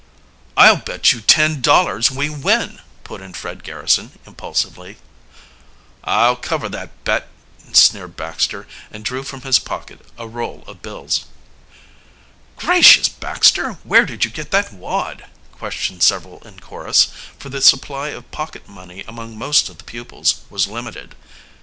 "I'll bet you ten dollars we win!" put in Fred Garrison impulsively. "I'll cover that bet," sneered Baxter, and drew from his pocket a roll of bills. "Gracious, Baxter, where did you get that wad?" questioned several in chorus, for the supply of pocket money among most of the pupils was limited.